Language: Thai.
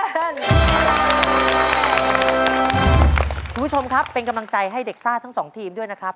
คุณผู้ชมครับเป็นกำลังใจให้เด็กซ่าทั้งสองทีมด้วยนะครับ